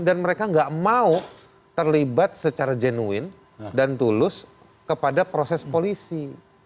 dan mereka gak mau terlibat secara jenuin dan tulus kepada proses polisi